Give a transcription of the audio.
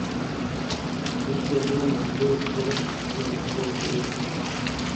বস্তু অথবা মন যেরূপেই প্রকাশিত হউক না কেন, প্রকৃতি এইসব শক্তি।